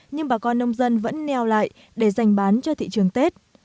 nhưng bà con nông dân vẫn neo lại để dành bán cho thị trường tết